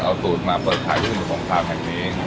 เอาตูดมาเปิดขายที่สงครามแห่งนี้